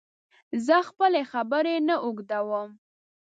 زه خپلي خبري نه اوږدوم